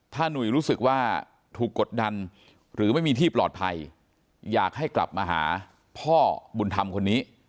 ถ้าหนุ่ยรู้สึกว่าถูกกดดันหรือไม่มีที่ปลอดภัยอยากให้กลับมาหาพ่อบุญธรรมคนนี้